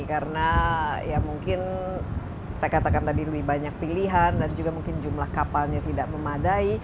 karena ya mungkin saya katakan tadi lebih banyak pilihan dan juga mungkin jumlah kapalnya tidak memadai